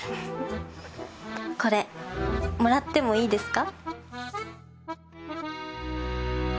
これもらってもいいですか？